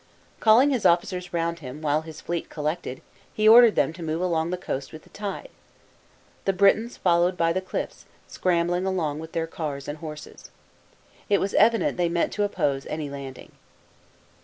Calling his officers round him, while his fleet col lected, he ordered them to move along the coast with the tide. The Britons followed by the cliffs, scrambling along with their cars and horses. It was evident they meant to oppose any landing.